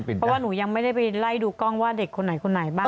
เพราะว่าหนูยังไม่ได้ไปไล่ดูกล้องว่าเด็กคนไหนคนไหนบ้าง